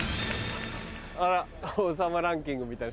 あら『王様ランキング』みたいな人が。